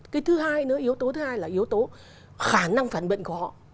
cái thứ hai nữa yếu tố thứ hai là yếu tố khả năng phản bệnh của họ